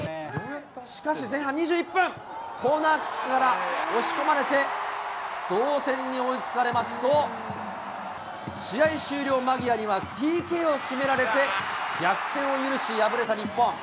しかし前半２１分、コーナーキックから押し込まれて、同点に追いつかれますと、試合終了間際にはＰＫを決められて逆転を許し、敗れた日本。